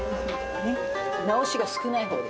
直しが少ない方で。